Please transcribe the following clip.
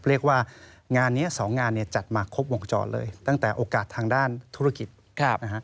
เรียกว่างานนี้สองงานเนี่ยจัดมาครบวงจรเลยตั้งแต่โอกาสทางด้านธุรกิจนะฮะ